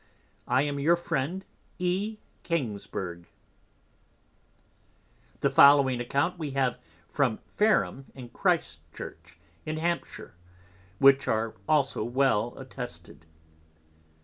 I am your Friend, E. Kingsburgh. The following Account we have from Fareham and Christ Church in Hampshire, which are also well attested.